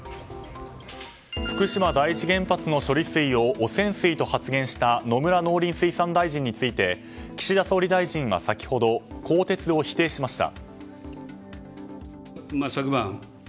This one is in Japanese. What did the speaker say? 福島第一原発の処理水を汚染水を発言した野村農林水産大臣について岸田総理大臣は先ほど更迭を否定しました。